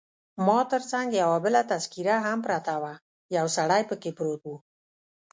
ما تر څنګ یو بله تذکیره هم پرته وه، یو سړی پکښې پروت وو.